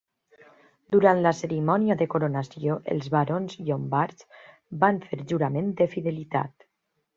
Durant la cerimònia de coronació els barons llombards van fer jurament de fidelitat.